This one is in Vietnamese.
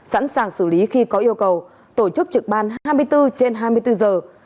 sẵn sàng xử lý khi có yêu cầu tổ chức trực ban hai mươi bốn trên hai mươi bốn giờ